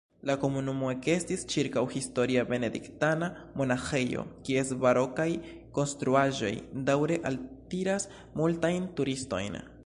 La komunumo ekestis ĉirkaŭ historia benediktana monaĥejo, kies barokaj konstruaĵoj daŭre altiras multajn turistojn.